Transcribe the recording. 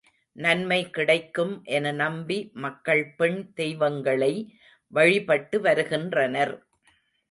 நன்மை கிடைக்கும் என நம்பி மக்கள் பெண் தெய்வங்களை வழிபட்டு வருகின்றனர்.